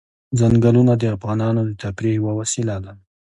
ځنګلونه د افغانانو د تفریح یوه وسیله ده.